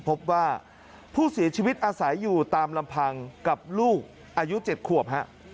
พบว่าผู้เสียชีวิตอาศัยอยู่ตามลำพังกับลูกอายุ๗ขวบฮะ